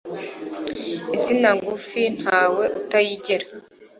Insina ngufi ntawe utayigera